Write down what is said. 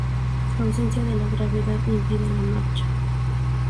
La ausencia de la gravedad impide la marcha.